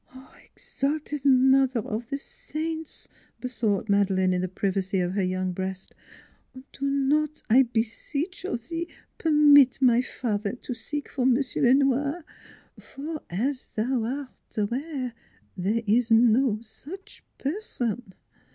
"Exalted Mother of the Saints!" besought Madeleine, in the privacy of her young breast, " do not, I beseech of thee, permit my father to seek for M'sieu' Le Noir, for, as thou art aware, there is no such person."